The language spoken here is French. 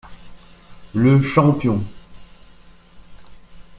Le Champion.